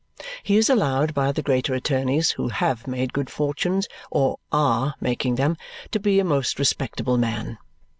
He is allowed by the greater attorneys who have made good fortunes or are making them to be a most respectable man.